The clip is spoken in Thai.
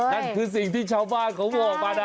นั่นคือสิ่งที่ชาวบ้านเขาบอกมานะ